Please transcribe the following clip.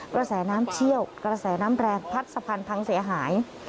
กระแสน้ำเชี่ยวกระแสน้ำแรงพัดสะพันธ์พังเสียหาย